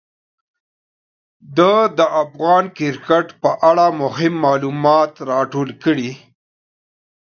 ده د افغان کرکټ په اړه مهم معلومات راټول کړي.